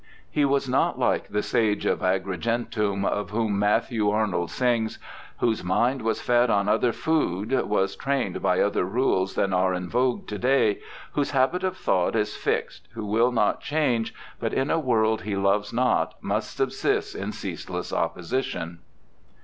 He was not hke the sage of Agrigentum, of whom Matthew Arnold sings : Whose mind was fed on other food, was train'd By other rules than are in vogue to day; Whose habit of thought is fix'd, who will not change, But, in a world he loves not, must subsist In ceaseless opposition.